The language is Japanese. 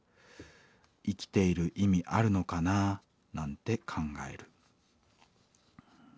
生きている意味あるのかななんて考える」。